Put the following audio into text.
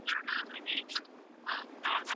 سړي سپینې او پاکې جامې په تن کړې وې.